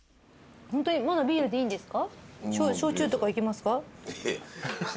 ホントにまだビールでいいんですか？